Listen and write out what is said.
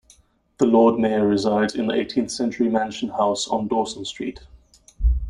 The Lord Mayor resides in the eighteenth century Mansion House on Dawson Street.